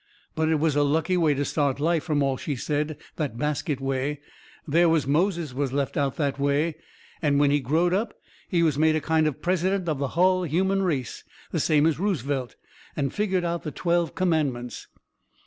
But it was a lucky way to start life, from all she said, that basket way. There was Moses was left out that way, and when he growed up he was made a kind of a president of the hull human race, the same as Ruzevelt, and figgered out the twelve commandments.